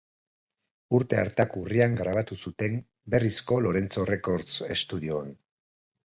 Urte hartako urrian grabatu zuten Berrizko Lorentzo Records estudioan.